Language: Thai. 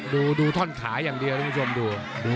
ดูท่อนขาอย่างเดียวท่านผู้ชมดู